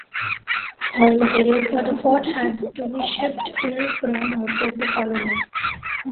All material for the fort had to be shipped in from outside the colony.